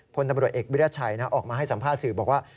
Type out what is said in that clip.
พลตำรวจเอกวิรัชัยออกมาให้สัมภาษณ์สื่อบอกว่า